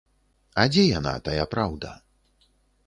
А дзе яна, тая праўда?